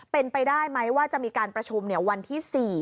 เป็นไปได้ไหมว่าจะมีการประชุมวันที่๔